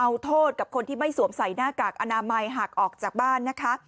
เอาโทษกับคนที่ไม่สวมใส่หน้ากากอนามัยหักออกจากบ้านนะคะ